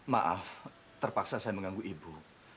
maaf terpaksa saya mengganggu ibu